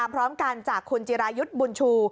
พร้อมกันจากคุณจิรายุทธ์บุญชู